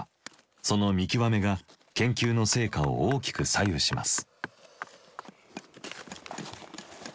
その見極めが研究の成果を大きく左右します。